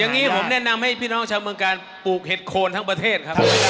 อย่างนี้ผมแนะนำให้พี่น้องชาวเมืองการปลูกเห็ดโคนทั้งประเทศครับ